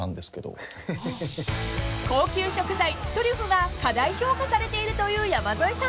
［高級食材トリュフが過大評価されているという山添さん］